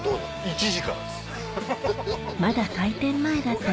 １時からです。